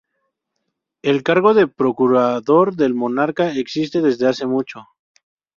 El cargo de procurador del monarca existe desde hace mucho.